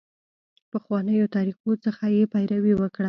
پخوانیو طریقو څخه یې پیروي وکړه.